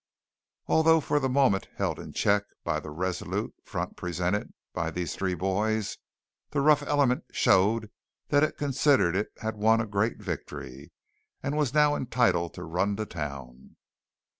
Although for the moment held in check by the resolute front presented by these three boys, the rough element showed that it considered it had won a great victory, and was now entitled to run the town.